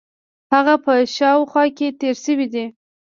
هغه په شاوخوا کې تېر شوی دی.